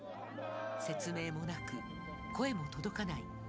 説明もなく声も届かない。